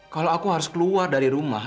kalau aku harus keluar dari rumah